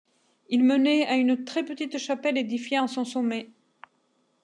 Il menait à une très petite chapelle édifiée en son sommet.